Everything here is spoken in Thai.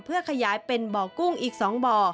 เพื่อขยายเป็นบ่อกุ้งอีก๒บ่อ